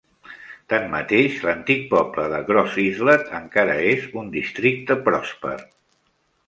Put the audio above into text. Tanmateix, l'antic poble de Gros Islet encara és un districte pròsper.